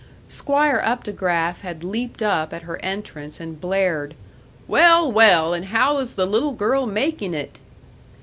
Squire Updegraff had leaped up at her entrance, and blared, "Well, well, and how is the little girl making it?"